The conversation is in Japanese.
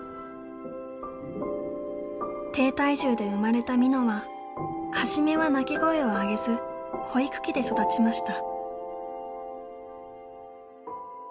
低体重で生まれたみのは初めは泣き声を上げず保育器で育ちました。